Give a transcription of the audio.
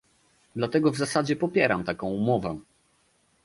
Dlatego w zasadzie popieram taką umowę